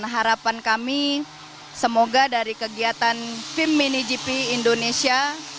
harapan kami semoga dari kegiatan fim mini gp indonesia